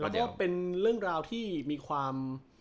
แล้วก็เป็นเรื่องราวที่มีความ